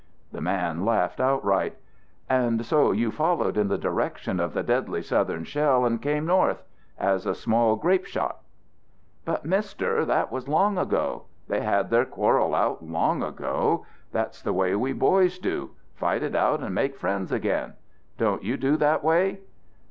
The man laughed outright. "And so you followed in the direction of the deadly Southern shell and came north as a small grape shot!" "But, Mister, that was long ago. They had their quarrel out long ago. That's the way we boys do: fight it out and make friends again. Don't you do that way?"